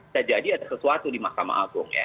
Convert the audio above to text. tadi ada sesuatu di mahkamah agung ya